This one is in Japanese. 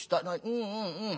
うんうんうん。